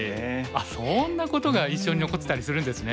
あっそんなことが印象に残ってたりするんですね。